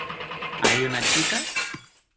¿ hay una chica?